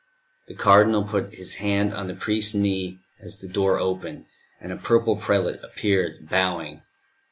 The Cardinal put his hand on the priest's knee as the door opened, and a purple prelate appeared, bowing.